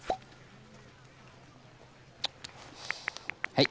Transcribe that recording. はい。